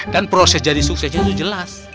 dan proses jadi suksesnya itu jelas